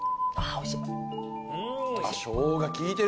おいしい。